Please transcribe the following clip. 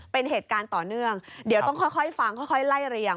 เป็นเหตุการณ์ต่อเนื่องเดี๋ยวต้องค่อยฟังค่อยไล่เรียง